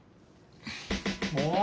もう！